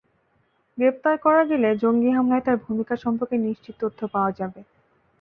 গ্রেপ্তার করা গেলে জঙ্গি হামলায় তাঁর ভূমিকা সম্পর্কে নিশ্চিত তথ্য পাওয়া যাবে।